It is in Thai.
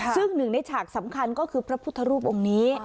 ซึ่งหนึ่งในฉากสำคัญก็คือพระพุทธรูปองค์นี้